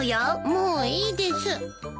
もういいです。